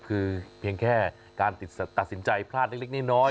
คือเพียงแค่การตัดสินใจพลาดเล็กน้อย